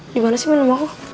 dimana sih minum aku